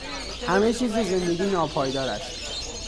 همه چیز زندگی ناپایدار است.